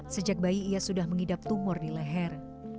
sejak bayi ia sudah mengidap tumor di leher